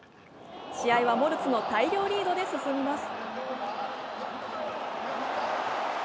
試合はモルツの大量リードで進みます。